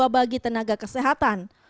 bagi tenaga kesehatan